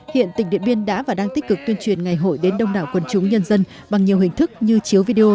hiện tỉnh điện biên đã và đang tích cực tuyên truyền ngày hội đến đông đảo quần chúng nhân dân bằng nhiều hình thức như chiếu video